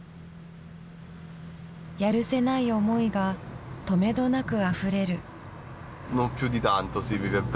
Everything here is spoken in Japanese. やるせない思いがとめどなくあふれる。